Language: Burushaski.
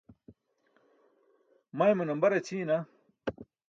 maymu nambar aćʰiina